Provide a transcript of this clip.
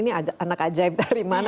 ini anak ajaib dari mana